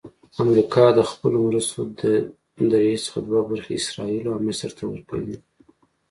امریکا د خپلو مرستو درې څخه دوه برخې اسراییلو او مصر ته ورکوي.